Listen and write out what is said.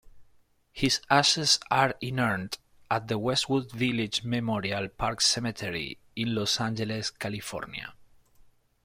His ashes are inurned at Westwood Village Memorial Park Cemetery in Los Angeles, California.